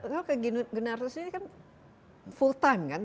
kau ke generasi ini kan full time kan